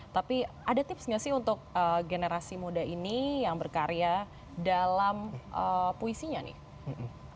tapi ada tips nggak sih untuk generasi muda ini yang berkarya dalam puisinya nih